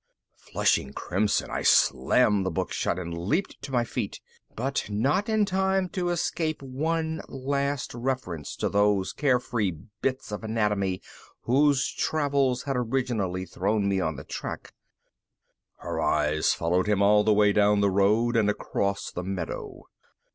Flushing crimson, I slammed the book shut and leaped to my feet. But not in time to escape one last reference to those carefree bits of anatomy whose travels had originally thrown me on the track: _... her eyes followed him all the way down the road and across the meadow.